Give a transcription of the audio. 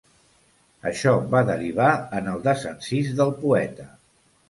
Això va derivar en el desencís del poeta.